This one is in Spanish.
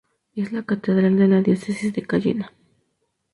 Es la catedral de la diócesis de Cayena.